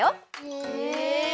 へえ！